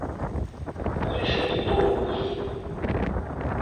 ¿Parécenlle poucos?